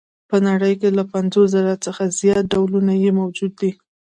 په نړۍ کې له پنځوس زره څخه زیات ډولونه یې موجود دي.